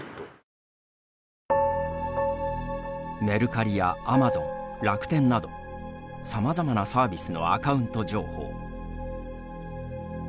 メルカリやアマゾン、楽天などさまざまなサービスのアカウント情報。